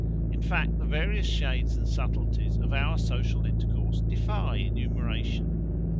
In fact the various shades and subtleties of our social intercourse defy enumeration.